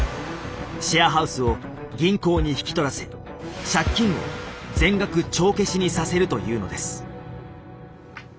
シェアハウスを銀行に引き取らせ借金を全額帳消しにさせるというのです。